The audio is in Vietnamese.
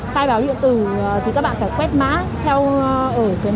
khai báo điện tử thì các bạn phải quét má theo đường link của trung tâm kiểm soát dịch bệnh